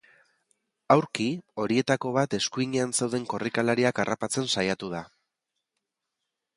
Aurki, horietako bat eskuinean zeuden korrikalariak harrapatzen saiatu da.